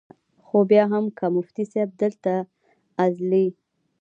خو بیا هم کۀ مفتي صېب دلته ازلي ،